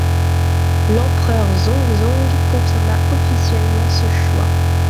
L’empereur Zhongzong confirma officiellement ce choix.